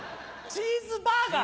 チーズバーガー！